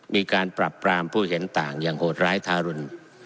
มีการปรับปรามผู้เห็นต่างอย่างโหดร้ายทารุณ